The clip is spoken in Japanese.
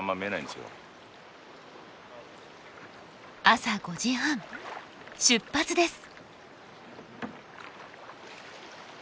朝５時半出発です。